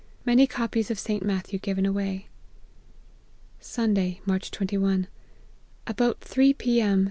Many copies of St. Matthew given away. " Sunday, March 21. About three P. M.